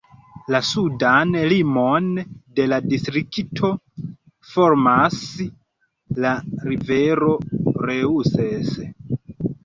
La sudan limon de la distrikto formas la rivero Reuss.